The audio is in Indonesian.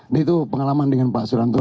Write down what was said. dan itu pengalaman dengan pak suryanto